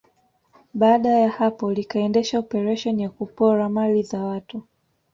Baada ya hapo likaendesha operesheni ya kupora mali za watu